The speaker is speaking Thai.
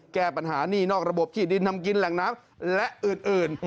แก้ปัญหานี่นอกระบบที่ดินทำกินแหล่งน้ำและอื่น